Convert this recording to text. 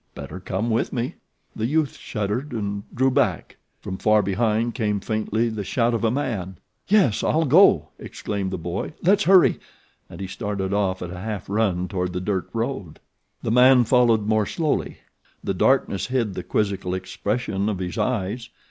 Better come with me." The youth shuddered and drew back. From far behind came faintly the shout of a man. "Yes, I'll go," exclaimed the boy. "Let's hurry," and he started off at a half run toward the dirt road. The man followed more slowly. The darkness hid the quizzical expression of his eyes.